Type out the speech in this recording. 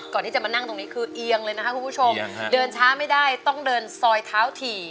ก่อนที่จะมานั่งตรงนี้คือเอียงเลยนะคะคุณผู้ชมเดินช้าไม่ได้ต้องเดินซอยเท้าถี่